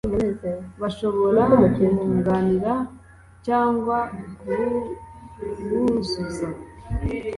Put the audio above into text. bashobora kubunganira cyangwa kubuzuza